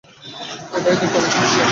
এটাই তোমার সমস্যা।